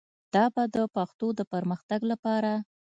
دا به د پښتو د پرمختګ لپاره